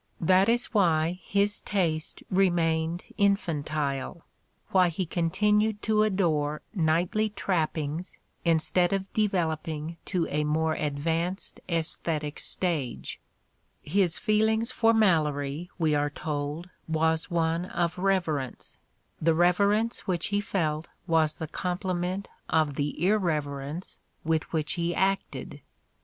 That is why his taste remained infantile, why he continued to adore "knightly trappings" instead of developing to a more advanced aesthetic stage. His feelings for Malory, we are told, was one of "reverence": the reverence which he felt was the complement of the irreverence with which he acted.